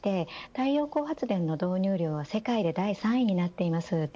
太陽光発電の導入量は世界で第３位になっています。